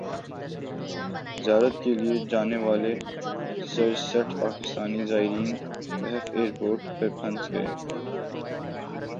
زیارت کیلئے جانے والے سرسٹھ پاکستانی زائرین نجف ایئرپورٹ پر پھنس گئے